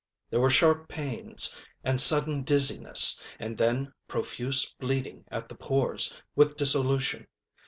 There were sharp pains, and sudden dizziness, and then profuse bleeding at the pores, with dissolution.